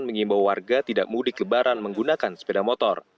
mengimbau warga tidak mudik lebaran menggunakan sepeda motor